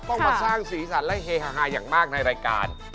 ต้องมาสร้างสีสันและเฮฮาอย่างมากในรายการ